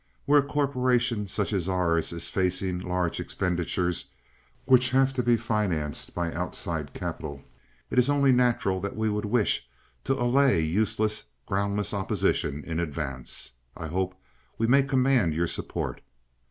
Where a corporation such as ours is facing large expenditures, which have to be financed by outside capital, it is only natural that we should wish to allay useless, groundless opposition in advance. I hope we may command your support."